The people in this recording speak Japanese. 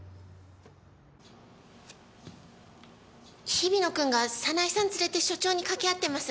日比野君が早苗さん連れて署長に掛け合ってます。